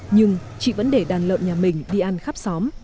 nhưng chị vẫn để đàn lợn nhà mình đi ăn khắp xóm